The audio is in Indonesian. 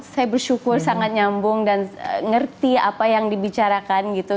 saya bersyukur sangat nyambung dan ngerti apa yang dibicarakan gitu